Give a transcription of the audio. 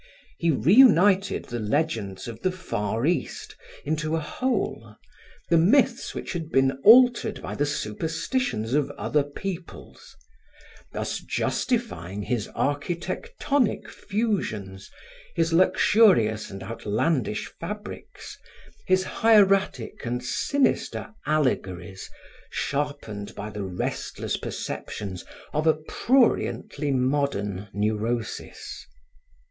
He reunited the legends of the Far East into a whole, the myths which had been altered by the superstitions of other peoples; thus justifying his architectonic fusions, his luxurious and outlandish fabrics, his hieratic and sinister allegories sharpened by the restless perceptions of a pruriently modern neurosis.